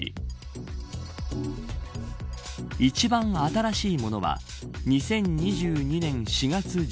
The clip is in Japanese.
一番新しいものは２０２２年４月１３日。